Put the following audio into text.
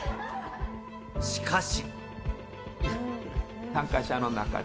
しかし。